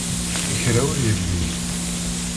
Kra ur yelli.